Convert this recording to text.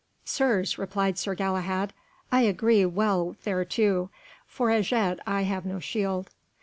"Sirs," replied Sir Galahad, "I agree well thereto, for as yet I have no shield."